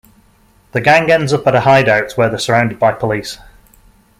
The gang ends up at a hideout where they're surrounded by police.